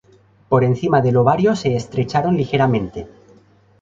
Por encima del ovario se estrecharon ligeramente.